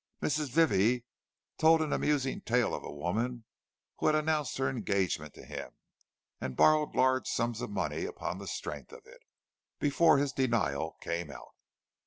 Mrs. Vivie told an amusing tale of a woman who had announced her engagement to him, and borrowed large sums of money upon the strength of it, before his denial came out.